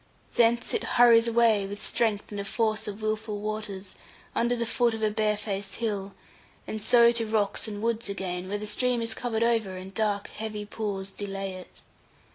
Thence it hurries away, with strength and a force of wilful waters, under the foot of a barefaced hill, and so to rocks and woods again, where the stream is covered over, and dark, heavy pools delay it.